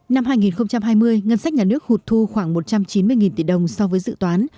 năm hai nghìn hai mươi ngân sách nhà nước hụt thu khoảng một trăm chín mươi tỷ đồng so với dự toán